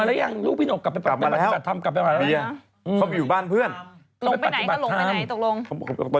แล้วก็อยู่ที่คือเอาเด็กมันเดินไปเรื่อย